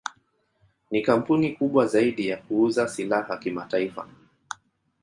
Ni kampuni kubwa zaidi ya kuuza silaha kimataifa.